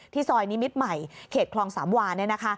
ซอยนิมิตรใหม่เขตคลองสามวา